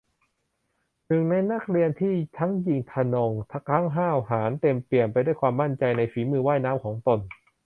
หนึ่งในนักเรียนที่ทั้งหยิ่งทะนง ทั้งห้าวหาญ เต็มเปี่ยมไปด้วยความมั่นใจในฝีมือว่ายน้ำของตน